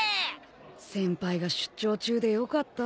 先輩が出張中でよかった。